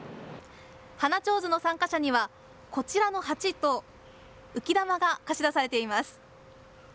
花ちょうずの参加者にはこちらの鉢と浮き球が貸し出されています。